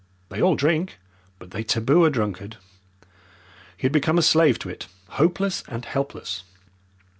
They all drink, but they taboo a drunkard. He had become a slave to it hopeless and helpless.